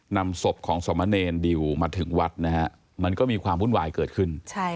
นำศพของสมเนรดิวมาถึงวัดนะฮะมันก็มีความวุ่นวายเกิดขึ้น